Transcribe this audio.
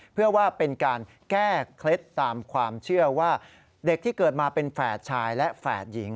เพื่อว่าเป็นการแก้เคล็ดตามความเชื่อว่าเด็กที่เกิดมาเป็นแฝดชายและแฝดหญิง